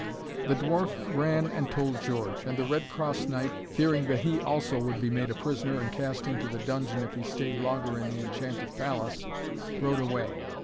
The dwarf ran and told George, and the Red Cross Knight, fearing that he also would be made a prisoner and cast into the dungeon if he stayed longer in the enchanted palace, rode away.